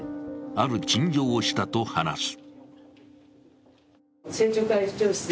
ある陳情をしたと話す。